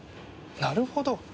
なるほど！